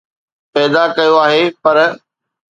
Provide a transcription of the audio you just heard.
پيدا ڪيو آهي پر